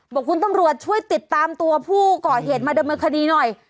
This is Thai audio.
บอกคุณตำรวจช่วยติดตามตัวผู้ก่อเหตุมาดำเนินคดีหน่อย